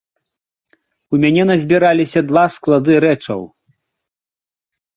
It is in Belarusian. У мяне назбіраліся два склады рэчаў.